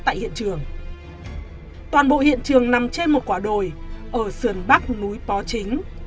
tại hiện trường toàn bộ hiện trường nằm trên một quả đồi ở sườn bắc núi pó chính